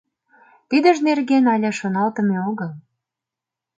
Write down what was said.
— Тидыж нерген але шоналтыме огыл.